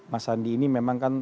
mas sandi ini memang kan